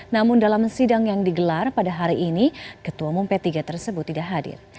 namun dalam sidang yang digelar pada hari ini ketua umum p tiga tersebut tidak hadir